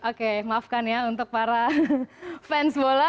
oke maafkan ya untuk para fans bola